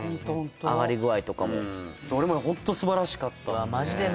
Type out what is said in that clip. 揚がり具合とかもどれもホントすばらしかったですね